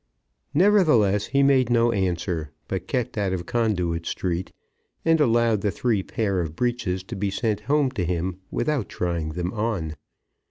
Nevertheless he made no answer, but kept out of Conduit Street, and allowed the three pair of breeches to be sent home to him without trying them on.